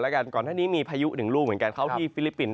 และก่อนทั้งนี้มีพายุหนึ่งรูปเหมือนกันเขาที่ฟิลิปปินส์